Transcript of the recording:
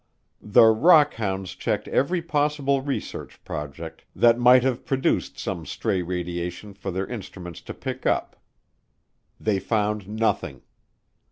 The "rock hounds" checked every possible research project that might have produced some stray radiation for their instruments to pick up. They found nothing.